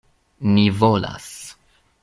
Ni volas.